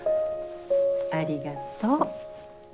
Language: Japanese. ありがとう。